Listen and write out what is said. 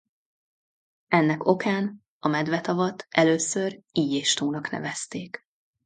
Ennek okán a Medve-tavat először Illyés-tónak nevezték.